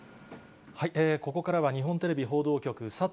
ここからは日本テレビ報道局、佐藤